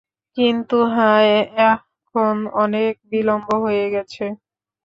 কিন্তু হায়, এখন অনেক বিলম্ব হয়ে গেছে।